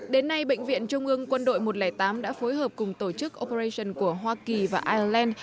đến nay bệnh viện trung ương quân đội một trăm linh tám đã phối hợp cùng tổ chức operation của hoa kỳ và ireland